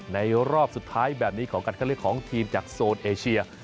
รอบสุดท้ายแบบนี้ของการคัดเลือกของทีมจากโซนเอเชีย